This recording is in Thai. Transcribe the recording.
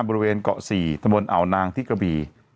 บริเวณเกาะ๔ตะบนอ่าวนางที่กระบี